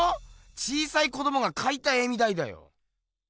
小さい子どもがかいた絵みたいだよ。